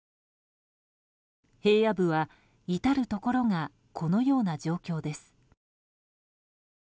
平野部は至るところがこのような状況です。